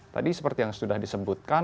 tadi seperti yang sudah disebutkan